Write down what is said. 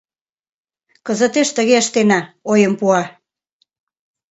— Кызытеш тыге ыштена, — ойым пуа.